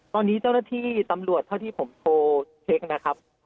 ตอนนี้เจ้าหน้าที่ตำรวจเท่าที่ผมโทรเช็คนะครับ